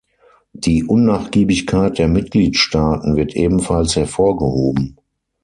Die Unnachgiebigkeit der Mitgliedstaaten wird ebenfalls hervorgehoben.